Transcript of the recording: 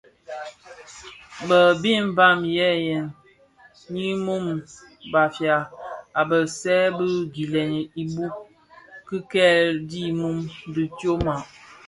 Bë bi Mbam yèn yè yi muu mbam a begsè dhi gilèn ibouk ki lè di mum dhi tyoma.